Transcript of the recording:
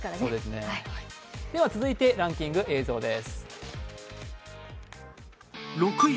続いてランキング映像です。